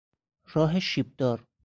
راه شیبدار